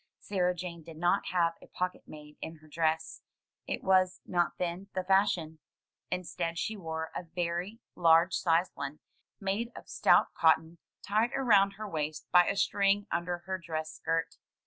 Sarah Jane did not have a pocket made in her dress; it was not then the fashion. Instead, she wore a very large sized one, made of stout cotton, tied around her waist by a string under her dress skirt.